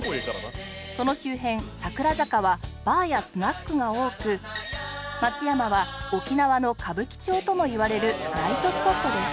その周辺桜坂はバーやスナックが多く松山は「沖縄の歌舞伎町」ともいわれるナイトスポットです